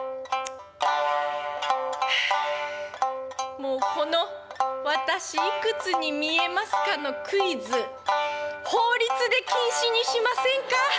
もうこの「私いくつに見えますか？」のクイズ法律で禁止にしませんか？